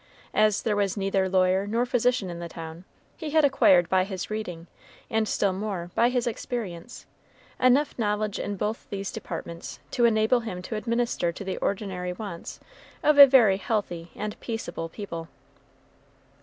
As there was neither lawyer nor physician in the town, he had acquired by his reading, and still more by his experience, enough knowledge in both these departments to enable him to administer to the ordinary wants of a very healthy and peaceable people.